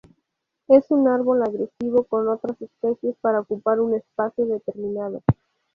Es un árbol agresivo con otras especies para ocupar un espacio determinado.